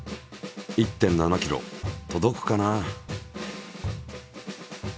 １．７ｋｍ届くかな？